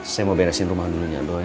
saya mau beresin rumah dulu ya doi